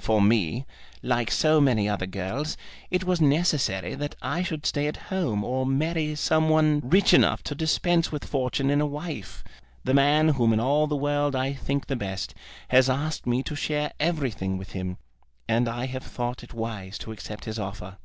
For me, like so many other girls, it was necessary that I should stay at home or marry some one rich enough to dispense with fortune in a wife. The man whom in all the world I think the best has asked me to share everything with him; and I have thought it wise to accept his offer."